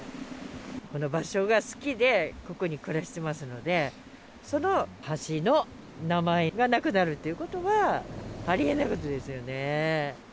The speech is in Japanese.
この場所が好きで、ここに暮らしてますので、その橋の名前がなくなるということは、ありえないことですよね。